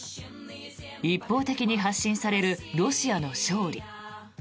一方的に発信されるロシアの勝利。